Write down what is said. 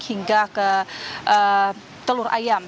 hingga ke telur ayam